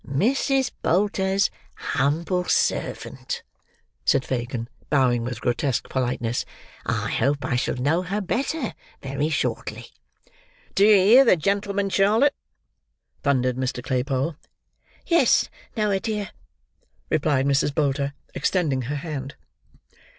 "Mrs. Bolter's humble servant," said Fagin, bowing with grotesque politeness. "I hope I shall know her better very shortly." "Do you hear the gentleman, Charlotte?" thundered Mr. Claypole. "Yes, Noah, dear!" replied Mrs. Bolter, extending her hand.